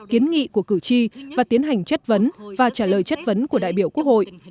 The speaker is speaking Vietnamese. kiến nghị của cử tri và tiến hành chất vấn và trả lời chất vấn của đại biểu quốc hội